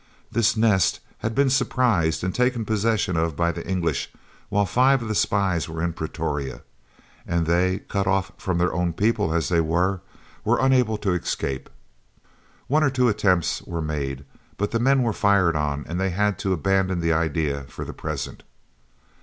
This "nest" had been surprised and taken possession of by the English while five of the spies were in Pretoria, and they, cut off from their own people as they were, were unable to escape. One or two attempts were made, but the men were fired on and they had to abandon the idea for the present.